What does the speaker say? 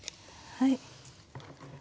はい。